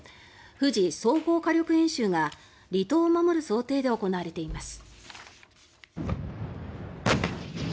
富士総合火力演習が離島を守る想定で行われています。